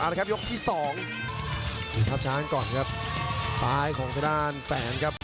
อันนี้ครับยกที่๒ดูภาพช้างก่อนครับซ้ายของท่านแสนครับ